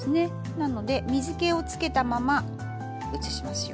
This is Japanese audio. なので水けをつけたまま移しますよ。